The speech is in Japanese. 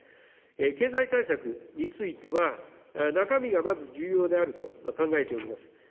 経済対策については、中身がまず重要であると考えております。